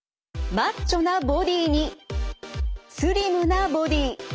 マッチョなボディーにスリムなボディー。